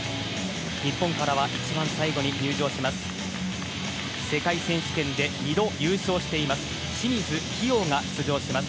日本からは一番最後に入場します